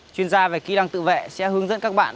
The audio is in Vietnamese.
chuyên gia về kỹ năng tự vệ sẽ hướng dẫn các bạn